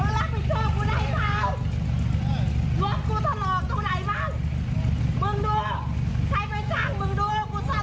รถกูทะลอกตรงไหนบ้างมึงดูใครไปจังมึงดูให้กูซ่อนตัวไหน